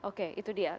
oke itu dia